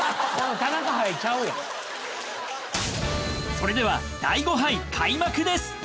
それでは大悟杯開幕です。